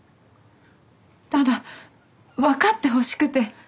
ただ分かってほしくて。